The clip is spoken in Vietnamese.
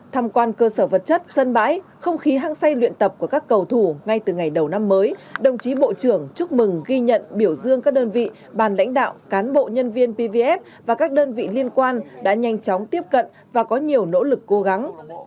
tham quan cơ sở vật chất sân bãi không khí hăng say luyện tập của các cầu thủ ngay từ ngày đầu năm mới đồng chí bộ trưởng chúc mừng ghi nhận biểu dương các đơn vị bàn lãnh đạo cán bộ nhân viên pvf và các đơn vị liên quan đã nhanh chóng tiếp cận và có nhiều nỗ lực cố gắng